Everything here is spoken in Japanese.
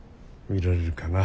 見られるかな。